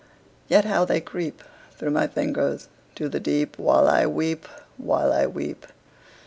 yet how they creep Through my fingers to the deep While I weep while I weep!